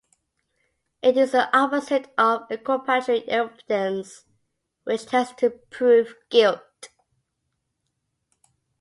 It is the opposite of inculpatory evidence, which tends to prove guilt.